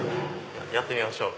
やってみましょう！